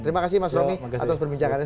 terima kasih mas romi atas perbincangannya